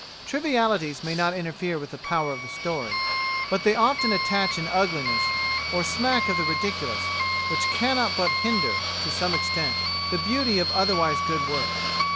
Trivialities may not interfere with the power of the story, but they often attach an ugliness, or a smack of the ridiculous, which cannot but hinder, to some extent, the beauty of otherwise good work.